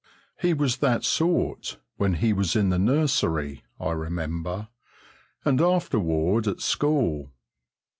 He was that sort when he was in the nursery, I remember, and afterward at school.